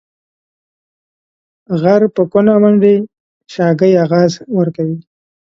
غر په کونه منډي ، شاگى اغاز ورکوي.